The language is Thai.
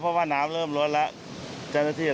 พยายามเต็มที่